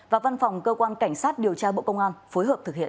và văn phòng cơ quan cảnh sát điều tra bộ công an phối hợp thực hiện